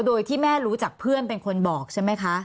โดยที่แม่รู้จักเพื่อนเป็นคนบอกใช่ไหมคะ